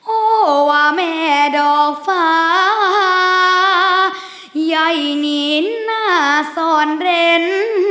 โอ้ว่าแม่ดอกฟ้าใหญ่หนีนหน้าซ่อนเร้น